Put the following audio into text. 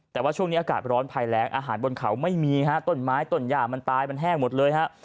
แต่ว่าช่วงนี้อากาศร้อนภัยแรงอาหารบนเขาไม่มีฮะต้นไม้ต้นย่ามันตายมันแห้งหมดเลยฮะ